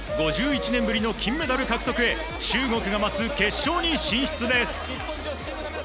５１年ぶりの金メダル獲得へ中国が待つ決勝へ進出です。